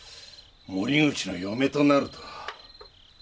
森口の嫁となると。